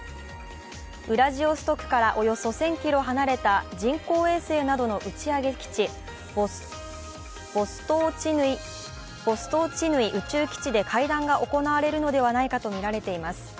ウラジオストクからおよそ１０００ｋｍ離れた人工衛星などの打ち上げ基地、ボストーチヌイ宇宙基地で会談が行われるのではないかとみられています